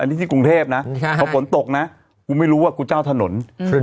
อันนี้ที่กรุงเทพนะพอฝนตกนะกูไม่รู้ว่ากูเจ้าถนน